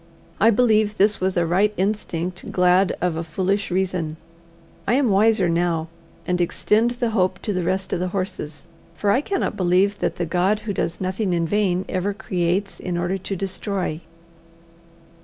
I believe this was a right instinct glad of a foolish reason. I am wiser now, and extend the hope to the rest of the horses, for I cannot believe that the God who does nothing in vain ever creates in order to destroy.